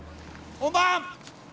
・本番！